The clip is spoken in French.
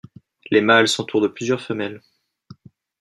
Les mâles s'entourent de plusieurs femelles.